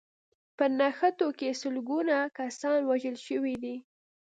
په نښتو کې سلګونه کسان وژل شوي